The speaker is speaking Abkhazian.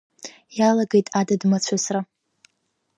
Иалагеит адыд-мацәысра.